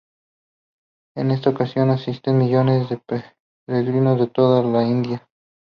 En esa ocasión asisten millones de peregrinos desde toda la India.